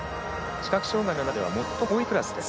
視覚障がいの中では最も重いクラスです。